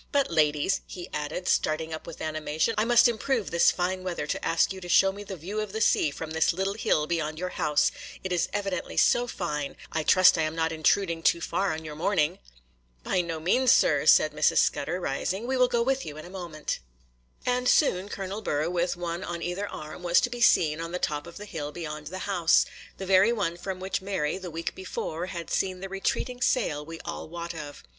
But, ladies,' he added, starting up with animation, 'I must improve this fine weather to ask you to show me the view of the sea from this little hill beyond your house, it is evidently so fine;—I trust I am not intruding too far on your morning?' 'By no means, sir,' said Mrs. Scudder, rising; 'we will go with you in a moment.' And soon Colonel Burr, with one on either arm, was to be seen on the top of the hill beyond the house,—the very one from which Mary, the week before, had seen the retreating sail we all wot of.